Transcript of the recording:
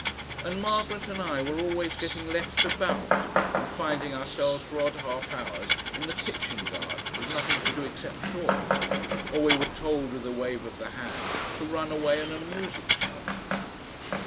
And Margaret and I were always getting left about, and finding ourselves for odd half hours in the kitchen garden with nothing to do except talk, or we were told with a wave of the hand to run away and amuse each other.